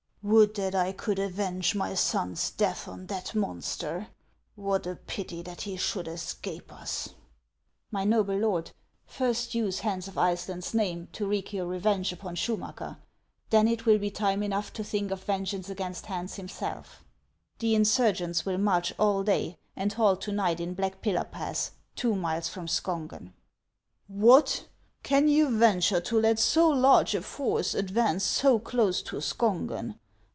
"Would that I could avenge my son's death on that monster ! What a pity that he should escape us !"" My noble lord, first use Hans of Iceland's name to wreak your revenge upon Schumacker ; then it will be time enough to think of vengeance against Hans himself. 360 HANS OF ICELAND. The insurgents will march all day, and halt to night in Black Pillar Pass, two miles from Skongeu." " What ! can you venture to let so large a force advance so close to Skongen